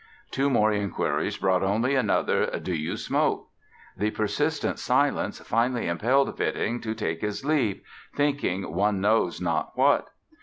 Two more inquiries brought only another "Do you smoke?" The persistent silence finally impelled Witting to take his leave, thinking one knows not what.